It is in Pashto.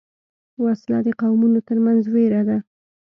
وسله د قومونو تر منځ وېره ده